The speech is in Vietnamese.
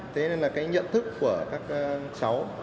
thế nên là cái nhận thức của các cháu